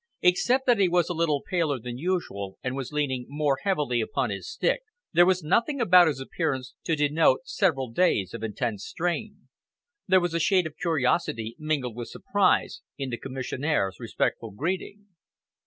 Except that he was a little paler than usual and was leaning more heavily upon his stick, there was nothing about his appearance to denote several days of intense strain. There was a shade of curiosity, mingled with surprise, in the commissionaire's respectful greeting.